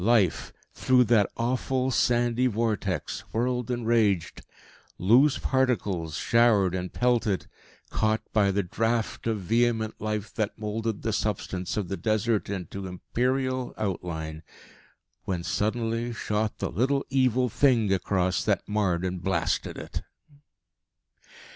Life, through that awful sandy vortex, whirled and raged. Loose particles showered and pelted, caught by the draught of vehement life that moulded the substance of the Desert into imperial outline when, suddenly, shot the little evil thing across that marred and blasted it.